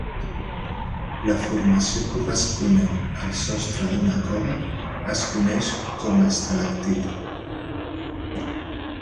La formació corresponent al sostre d'una cova es coneix com a estalactita.